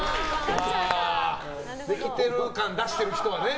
できてる感出してる人はね。